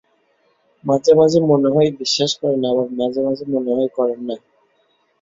মাঝে মাঝে মনে হয় বিশ্বাস করেন, আবার মাঝে-মাঝে মনে হয় করেন না।